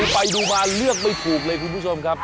ไปดูมาเลือกไม่ถูกเลยคุณผู้ชมครับ